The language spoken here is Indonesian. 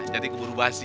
jadi keburu basi